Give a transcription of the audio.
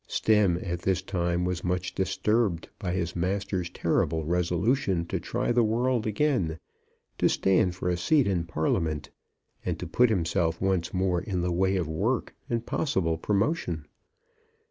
Stemm at this time was much disturbed by his master's terrible resolution to try the world again, to stand for a seat in Parliament, and to put himself once more in the way of work and possible promotion.